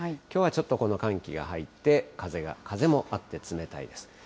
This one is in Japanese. きょうはちょっとこの寒気が入って、風もあって冷たいです。